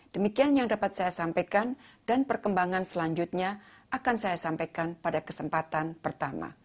demikian yang dapat saya sampaikan dan perkembangan selanjutnya akan saya sampaikan pada kesempatan pertama